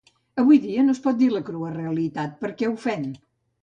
Avui dia no es pot dir la crua veritat perquè ofèn.